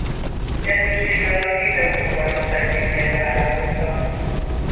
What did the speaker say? Edzősége alatt két Európa-bajnokságot is nyert a válogatottal.